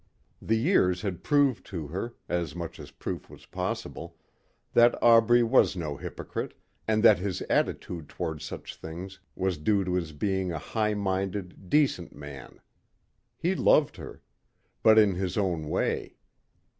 The years had proved to her, as much as proof was possible, that Aubrey was no hypocrite and that his attitude toward such things was due to his being a high minded, decent man. He loved her. But in his own way.